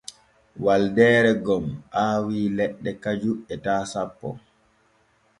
Waldeere gom aawii leɗɗe kaju etaa sanpo.